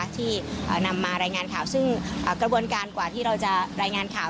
ที่นำมารายงานข่าวซึ่งกระบวนการกว่าที่เราจะรายงานข่าว